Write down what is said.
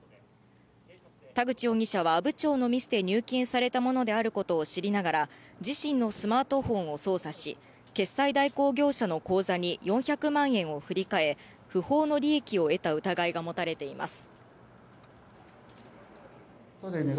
田口容疑者は阿武町のミスで入金されたものであることを知りながら、自身のスマートフォンを操作し、決済代行業者の口座に４００万円を振り替え、不法の利益を得た疑いが持たれています。